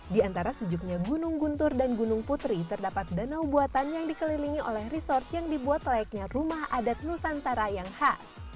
di antara sejuknya gunung guntur dan gunung putri terdapat danau buatan yang dikelilingi oleh resort yang dibuat layaknya rumah adat nusantara yang khas